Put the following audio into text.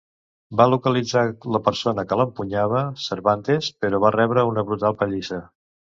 Va localitzar la persona que l'empunyava, Cervantes, però va rebre una brutal pallissa.